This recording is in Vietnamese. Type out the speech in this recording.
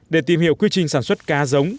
để tìm hiểu quy trình sản xuất ca giống